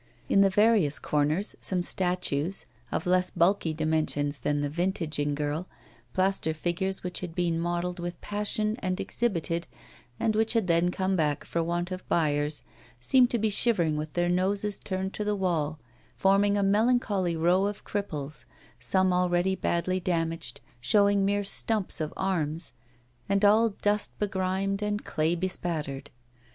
In the various corners some statues, of less bulky dimensions than the 'Vintaging Girl,' plaster figures which had been modelled with passion and exhibited, and which had then come back for want of buyers, seemed to be shivering with their noses turned to the wall, forming a melancholy row of cripples, some already badly damaged, showing mere stumps of arms, and all dust begrimed and clay bespattered.